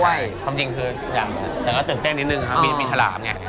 คือสำเร็จสติกตกแตกนิดนึงค่ะมีฉาลามไง